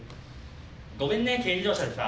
ごめんね軽自動車でさ。